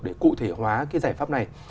để cụ thể hóa cái giải pháp này